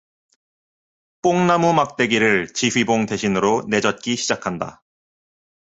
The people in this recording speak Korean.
뽕나무 막대기를 지휘봉 대신으로 내젓기 시작한다.